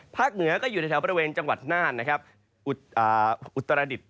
ภาคเหนือก็อยู่ในแถวบริเวณจังหวัดนาฬอุตรดิษฐ์